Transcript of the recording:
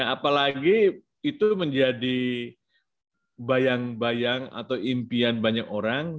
apalagi itu menjadi bayang bayang atau impian banyak orang